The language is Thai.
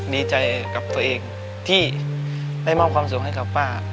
ดีใจกับตัวเองที่ได้มอบความสุขให้กับป้า